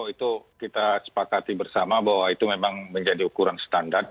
itu kita sepakati bersama bahwa itu memang menjadi ukuran standar